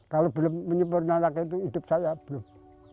kalau belum menyempurnakan itu hidup saya belum